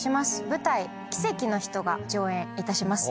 舞台『奇跡の人』が上演いたします。